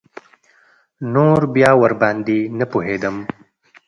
نور بيا ورباندې نه پوهېدم.